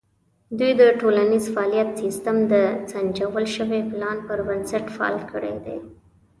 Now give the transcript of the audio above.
دوی د ټولنیز فعالیت سیستم د سنجول شوي پلان پر بنسټ فعال کړی دی.